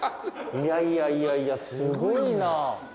いやいやいやいやすごいな。